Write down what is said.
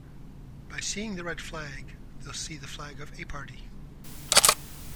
By seeing the red flag, they'll see the flag of a party!